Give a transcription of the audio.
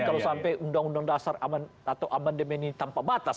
kalau sampai undang undang dasar atau amandemen ini tanpa batas